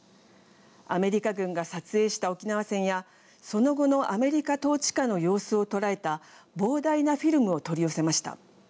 アメリカ軍が撮影した沖縄戦やその後のアメリカ統治下の様子を捉えた膨大なフィルムを取り寄せました。